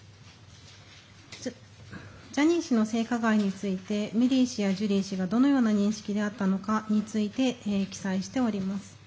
ジャニー氏の性加害についてメリー氏やジュリー氏がどのような認識であったのかについて記載しております。